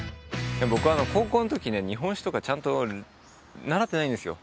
僕高校の時ね日本史とかちゃんと習ってないんですよ